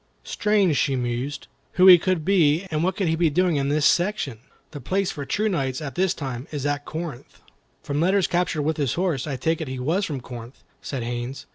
"Strange," she mused, "who he could be, and what he could be doing in this section. The place for true knights, at this time, is at Corinth." "From letters captured with his horse, I take it he was from Corinth," said Haines.